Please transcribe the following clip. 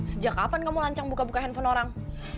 sejak kapan kamu lancang buka buka handphone orang